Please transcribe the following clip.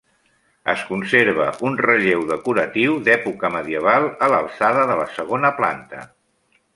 Es conserva un relleu decoratiu d'època medieval a l'alçada de la segona planta.